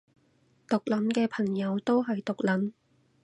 毒撚嘅朋友都係毒撚